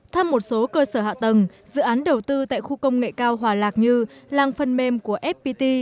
thăm một số cơ sở hạ tầng dự án đầu tư tại khu công nghệ cao hòa lạc như làng phần mềm của fpt